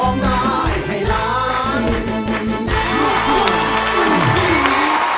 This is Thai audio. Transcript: ร้องได้ให้ล้าน